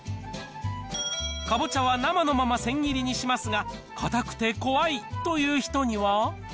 かぼちゃは生のまま千切りにしますが、硬くて怖いという人には。